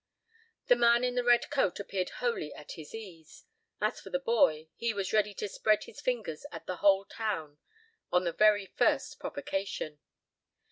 The man in the red coat appeared wholly at his ease. As for the boy, he was ready to spread his fingers at the whole town on the very first provocation.